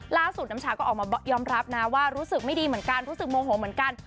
น้ำชาก็ออกมายอมรับนะว่ารู้สึกไม่ดีเหมือนกันรู้สึกโมโหเหมือนกัน